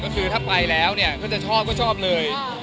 ก็คือถ้าไปแล้วเนี่ยก็จะชอบก็ชอบเลย